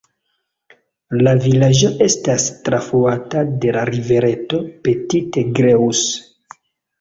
La vilaĝo estas trafluata de la rivereto Petite Creuse.